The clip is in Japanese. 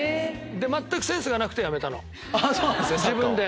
全くセンスがなくてやめたの自分で。